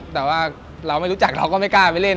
แต่ว่าเราไม่รู้จักเราก็ไม่กล้าไปเล่น